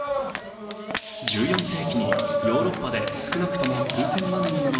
１４世紀にヨーロッパで少なくとも数千万人を